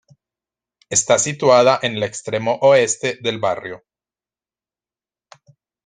Está situada en el extremo oeste del barrio.